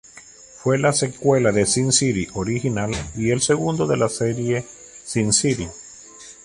Fue la secuela del SimCity original, y el segundo de la serie SimCity.